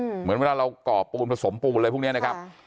เหมือนเวลาเราก่อปูนผสมปูนอะไรพวกนี้นะครับ